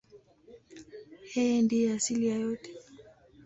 Yeye ndiye asili ya yote.